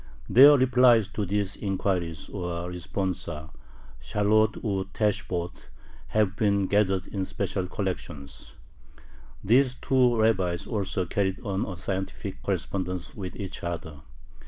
Their replies to these inquiries, or "Responsa" (Shaaloth u Teshuboth), have been gathered in special collections. These two rabbis also carried on a scientific correspondence with each other.